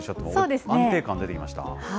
安定感出てきました。